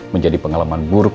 menjadi pengalaman buruk